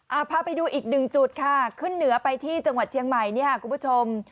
เอาพาไปดูอีกหนึ่งจุดค่ะขึ้นเหนือไปที่จังหวัดเชียงใหม่เนี่ยค่ะคุณผู้ชม